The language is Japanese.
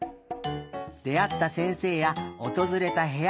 であった先生やおとずれたへや。